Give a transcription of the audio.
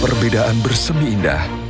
perbedaan bersemi indah